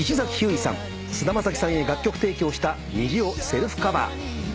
いさん菅田将暉さんへ楽曲提供した『虹』をセルフカバー。